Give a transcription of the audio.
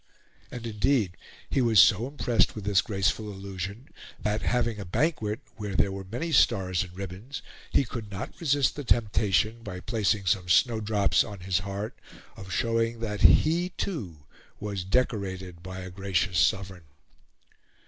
And, indeed, he was so impressed with this graceful illusion, that, having a banquet, where there were many stars and ribbons, he could not resist the temptation, by placing some snowdrops on his heart, of showing that, he, too, was decorated by a gracious Sovereign.